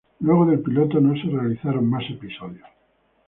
Luego del piloto no se realizaron más episodios.